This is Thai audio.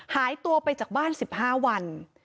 หายตัวไปจากบ้าน๑๕วัน